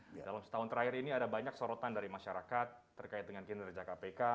di dalam setahun terakhir ini ada banyak sorotan dari masyarakat terkait dengan kinerja kpk